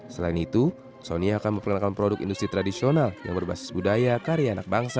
selain itu sony akan memperkenalkan produk industri tradisional yang berbasis budaya karya anak bangsa